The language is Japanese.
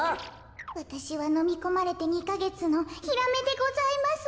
わたしはのみこまれて２かげつのヒラメでございます。